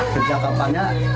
sejak kapan ya